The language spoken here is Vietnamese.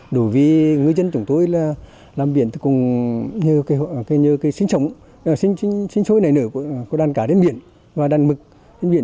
đủ vì ngư dân chúng tôi làm biển như sinh sống sinh sối này nở của đàn cá đến biển và đàn mực đến biển